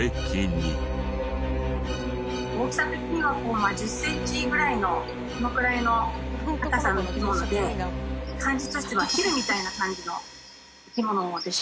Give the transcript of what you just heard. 大きさ的には１０センチぐらいのこのくらいの高さの生き物で感じとしてはヒルみたいな感じの生き物でした。